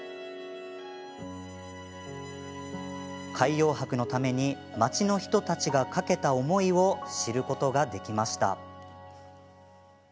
海洋博のために町の人たちが懸けた思いを知ることができました。